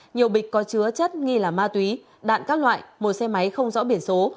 nhiều bịch có chứa chất nghi là ma túy đạn các loại một xe máy không rõ biển số